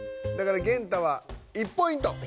だからゲンタは１ポイント。